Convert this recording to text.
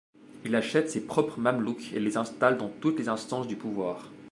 Il achète ses propres mamelouks et les installe dans toutes les instances du pouvoir.